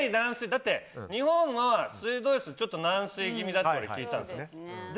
日本の水道水はちょっと軟水気味だって聞いたんですね。